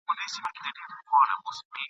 د ارغوان له خاطرو مي راوتلي عطر !.